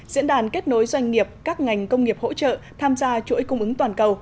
diễn đàn kết nối doanh nghiệp các ngành công nghiệp hỗ trợ tham gia chuỗi cung ứng toàn cầu